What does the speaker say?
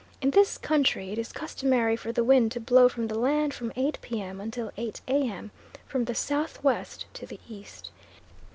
In this country it is customary for the wind to blow from the land from 8 P.M. until 8 A.M., from the south west to the east.